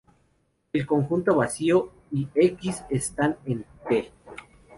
El conjunto vacío y "X" están en "T".